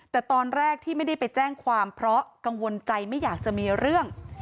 แต่ตอนแรกที่ไม่ได้ไปแจ้งความเพราะกังวลใจไม่อยากจะมีเรื่อง